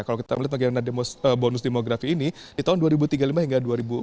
kalau kita melihat bagaimana bonus demografi ini di tahun dua ribu tiga puluh lima hingga dua ribu empat belas